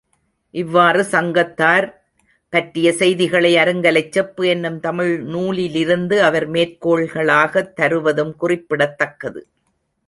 இவ்வாறு சங்கத்தார் பற்றிய செய்திகளை அருங்கலைச் செப்பு எனும் தமிழ் நூலிலிருந்து அவர் மேற்கோள்களாகத் தருவதும் குறிப்பிடத்தக்கது.